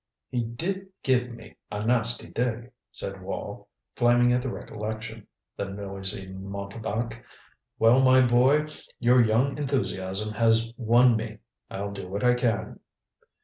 "He did give me a nasty dig," said Wall, flaming at the recollection. "The noisy mountebank! Well, my boy, your young enthusiasm has won me. I'll do what I can."